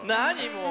もう。